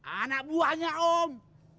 anak buahnya om